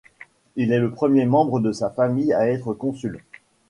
Il est le premier membre de sa famille à être consul.